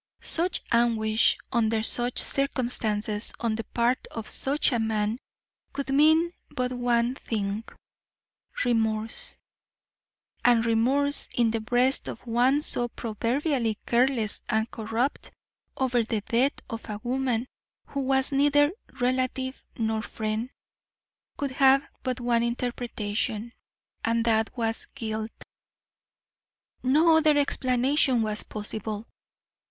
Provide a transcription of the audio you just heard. Such anguish under such circumstances on the part of such a man could mean but one thing remorse; and remorse in the breast of one so proverbially careless and corrupt, over the death of a woman who was neither relative nor friend, could have but one interpretation, and that was guilt. No other explanation was possible.